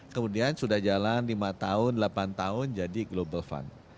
kemudian sudah jalan lima tahun delapan tahun jadi global fund